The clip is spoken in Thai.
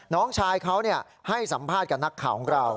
น้องชายเขาให้สัมภาษณ์กับนักข่าวของเรา